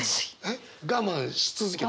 我慢し続けたの？